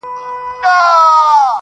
په موږک پسي جوړ کړی یې هی هی وو٫